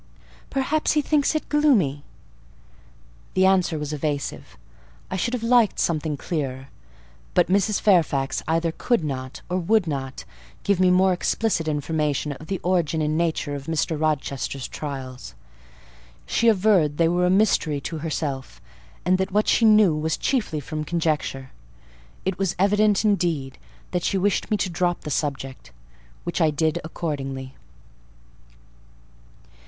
"Perhaps he thinks it gloomy." The answer was evasive. I should have liked something clearer; but Mrs. Fairfax either could not, or would not, give me more explicit information of the origin and nature of Mr. Rochester's trials. She averred they were a mystery to herself, and that what she knew was chiefly from conjecture. It was evident, indeed, that she wished me to drop the subject, which I did accordingly.